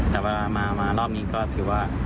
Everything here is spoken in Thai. แต่เวลามารอบนี้ก็ถือว่า